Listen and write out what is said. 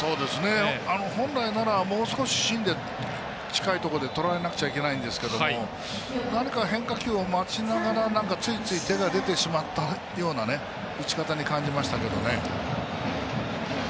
本来ならもう少し芯で近いところでとらえなくちゃいけないんですが何か変化球を待ちながらついつい手が出てしまったような打ち方に感じましたけどね。